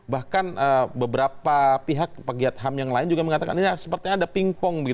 bahkan beberapa pihak pegiat ham yang lain juga mengatakan ini sepertinya ada pingpong